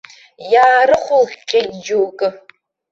Иаарыхәлҟьҟьеит џьоукы.